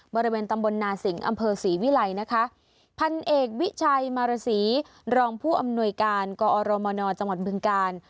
บริเวณตำบลนาสิงห์อำเภอศรีวิลัยนะคะพันเอกวิชัยมารสีรองผู้อำนวยการกอรมนจังหวัดบึงกาล